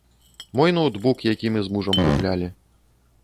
Мой ноўтбук, які мы з мужам куплялі.